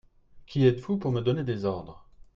Qui êtes-vous pour me donner des ordres ?